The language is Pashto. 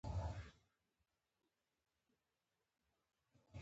دا د پاچا او دولتي چارواکو د واکونو محدودېدل و.